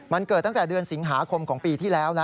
มันเกิดตั้งแต่เดือนสิงหาคมของปีที่แล้ว